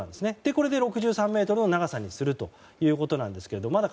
これで６３ｍの長さにするということなんですけどまだ